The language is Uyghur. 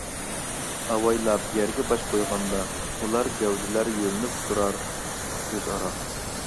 ئاۋايلاپ يەرگە باش قويغاندا ئۇلار گەۋدىلەر يۆلىنىپ تۇرار ئۆزئارا.